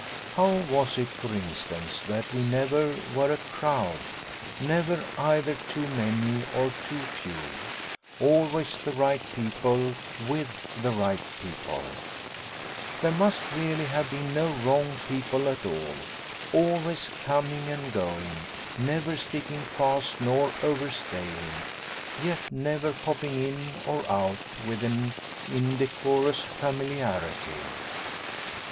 How was it for instance that we never were a crowd, never either too many or too few, always the right people WITH the right people there must really have been no wrong people at all always coming and going, never sticking fast nor overstaying, yet never popping in or out with an indecorous familiarity?